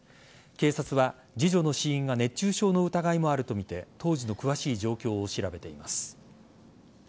警察は次女の死因が熱中症の疑いもあるとみて当時の詳しい状況を調べています。